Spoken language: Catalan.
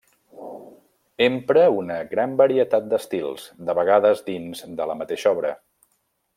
Empra una gran varietat d'estils, de vegades dins de la mateixa obra.